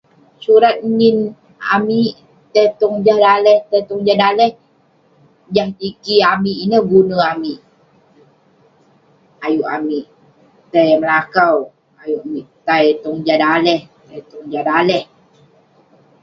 Surat nin amik tai tong jah daleh tai tong jah daleh jah tikey amik ineh gune amik ayuk amik tai melakau ayuk amik tai tong jah daleh ayuk tong jah daleh